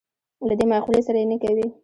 له دې مقولې سره یې نه کوي.